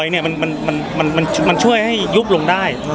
นี่มันมันมันมันมันช่วยให้ยุบลงได้อ๋อ